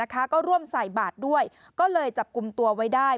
ก็ร่วมใส่บาทด้วยก็เลยจับกลุ่มตัวไว้ได้